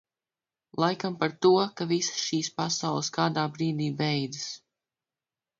Laikam par to, ka visas šīs pasaules kādā brīdī beidzas.